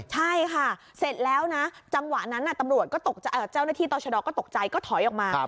ใช่ค่ะเสร็จแล้วนะจังหวะนั้นตำรวจเจ้าหน้าที่ต่อชะดอก็ตกใจก็ถอยออกมา